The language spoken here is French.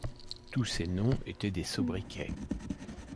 Tous ces noms étaient des sobriquets.